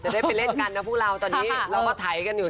ก็เพราะว่าเราได้เข้าฉากด้วยกันตลอด